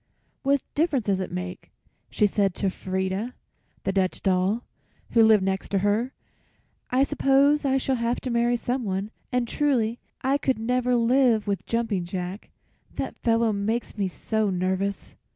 "What difference does it make?" she said to Frieda, the Dutch doll, who lived next to her. "I suppose I shall have to marry someone, and truly I could never live with Jumping Jack; that fellow makes me so nervous."